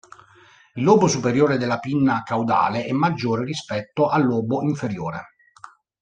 Il lobo superiore della pinna caudale è maggiore rispetto al lobo inferiore.